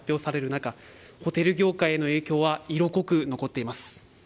中ホテル業界への影響は色濃く残っています。